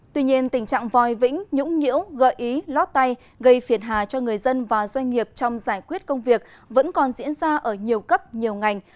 tuy nhiên tình trạng vòi vĩnh nhũng nhiễu gợi ý lót tay gây phiền hà cho người dân và doanh nghiệp trong giải quyết công việc vẫn còn diễn ra ở nhiều cấp nhiều ngành